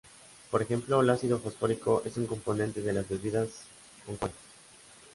Por ejemplo, el ácido fosfórico es un componente de las bebidas con cola.